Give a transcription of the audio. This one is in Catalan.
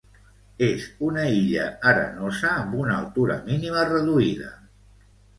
És una illa arenosa amb una altura mínima reduïda.